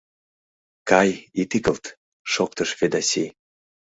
— Кай, ит игылт, — шоктыш Ведаси.